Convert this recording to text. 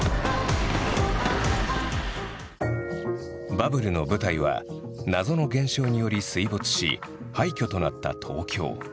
「バブル」の舞台は謎の現象により水没し廃虚となった東京。